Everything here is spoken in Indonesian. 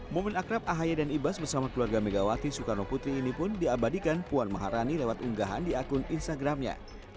momen akrab ahaye dan ibas bersama keluarga megawati soekarno putri ini pun diabadikan puan maharani lewat unggahan di akun instagramnya